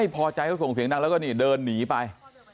พอใจเขาส่งเสียงดังแล้วก็นี่เดินหนีไป